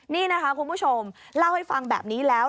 นี่นะคะคุณผู้ชมเล่าให้ฟังแบบนี้แล้ว